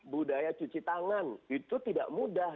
budaya cuci tangan itu tidak mudah